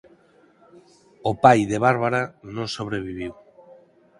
O pai de Barbara non sobreviviu.